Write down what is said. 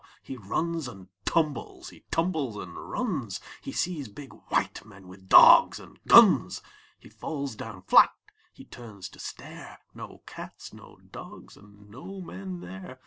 He runs and tumbles, he tumbles and runs. He sees big white men with dogs and guns. He falls down flat. H)e turns to stare — No cats, no dogs, and no men there.